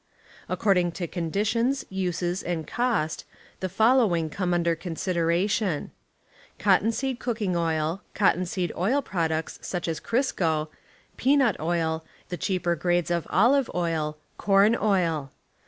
According to conditions, uses, and cost, the following come under consideration: cottonseed cooking oil, cottonseed oil pi'oducts such as Crisco, peanut oil, the cheaper grades of olive oil, corn oil.